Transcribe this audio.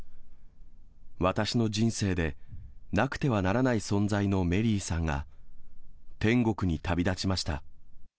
私の人生で、なくてはならない存在のメリーさんが天国に旅立ちました。